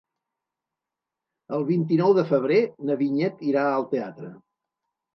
El vint-i-nou de febrer na Vinyet irà al teatre.